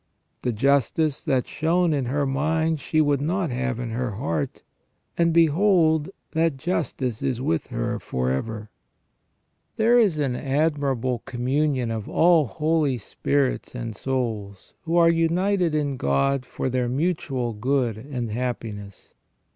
The justice that shone in her mind she would not have in her heart, and behold, that justice is with her for ever ! There is an admirable communion of all holy spirits and souls, who are united in God for their mutual good and happiness.